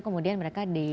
kemudian mereka di